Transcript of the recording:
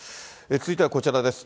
続いてはこちらです。